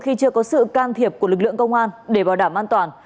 khi chưa có sự can thiệp của lực lượng công an để bảo đảm an toàn